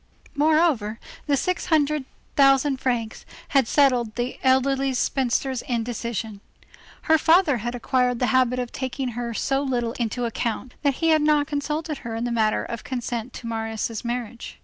Moreover, the six hundred thousand francs had settled the elderly spinster's indecision. Her father had acquired the habit of taking her so little into account, that he had not consulted her in the matter of consent to Marius' marriage.